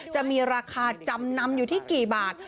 จะมีราคาจำนำอยู่ที่กี่บาท